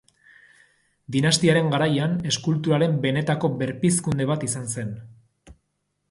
Dinastiaren garaian eskulturaren benetako berpizkunde bat izan zen.